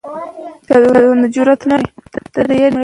ایا تاسو د فش رول تجربه کړې ده؟